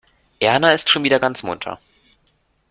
Erna ist schon wieder ganz munter.